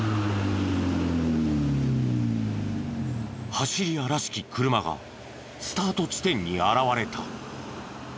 走り屋らしき車がスタート地点に現れた。